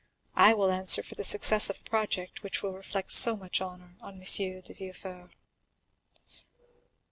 I will answer for the success of a project which will reflect so much honor on M. de Villefort."